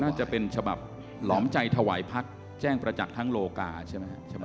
น่าจะเป็นฉบับหลอมใจถวายพักแจ้งประจักษ์ทั้งโลกาใช่ไหมครับ